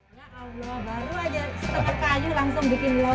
ya allah baru aja setengah kayu langsung bikin lomba